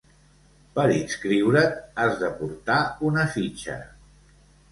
Per inscriure't has de portar una fitxa.